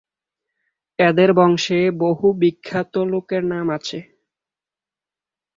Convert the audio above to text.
এঁদের বংশে বহু বিখ্যাত লোকের নাম আছে।